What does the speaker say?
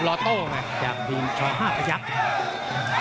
รอโต้ไหมจากที๕ประยักษณ์